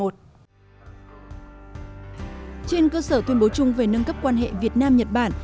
trên cơ sở tuyên bố chung về nâng cấp quan hệ việt nam nhật bản